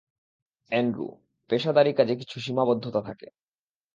Andrew, পেশাদারি কাজে কিছু সীমাবদ্ধতা থাকে।